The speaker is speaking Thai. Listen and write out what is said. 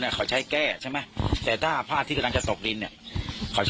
แก้ใช่ไหมแต่ถ้าภาพที่กำลังจะตกดินเนี่ย